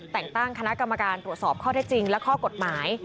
แต่งตั้งคณะกรรมการตรวจสอบข้อเท็จจริงและข้อกฎหมาย